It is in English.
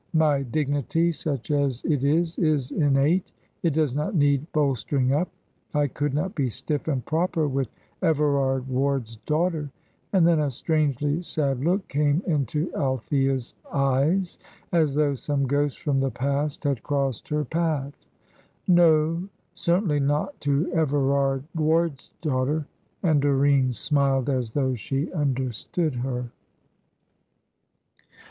My dignity, such as it is, is innate; it does not need bolstering up. I could not be stiff and proper with Everard Ward's daughter;" and then a strangely sad look came into Althea's eyes, as though some ghost from the past had crossed her path; "no, certainly not to Everard Ward's daughter;" and Doreen smiled as though she understood her.